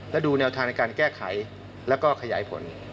และดูแนวทางในการแก้ไขแล้วก็ขยายผล